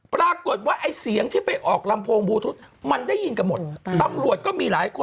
ปรากฏว่าไอ้เสียงที่ไปออกลำโพงบูธุมันได้ยินกันหมดตำรวจก็มีหลายคน